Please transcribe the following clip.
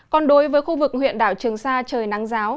còn đối với khu vực huyện đảo trường sa trời nắng giáo